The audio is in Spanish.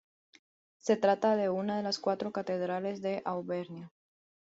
Se trata de una de las cuatro catedrales de Auvernia.